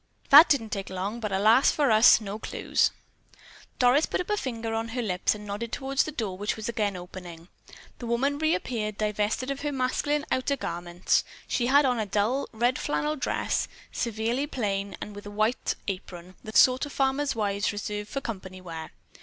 "That didn't take long, but, alas and alak for us, no clues!" Doris put a finger on her lips and nodded toward the door, which was again opening. The woman reappeared, divested of her masculine outer garments. She had on a dull red flannel dress, severely plain, and a white apron, the sort farmer's wives reserve for company wear.